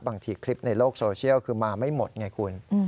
บางทีคลิปในโลกโซเชียลคือมาไม่หมดไงคุณ